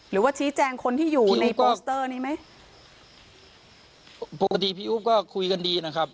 หรือว่าชี้แจงคนที่อยู่ในโปสเตอร์นี้ไหมปกติพี่อุ๊บก็คุยกันดีนะครับ